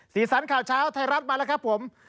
สีสันข่าวเช้าไทยรัฐมาแล้วครับผม